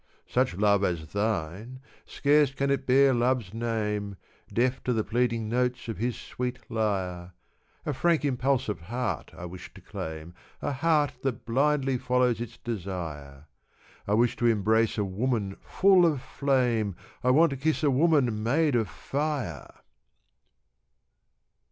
Such love as thine, scarce can it bear love's name, Deaf to the pleading notes of his sweet lyre, A frank, impulsive heart I wish to claim, A heart that blindly follows its desire. I wish to embrace a woman full of flame, I want to kiss a woman made of fire.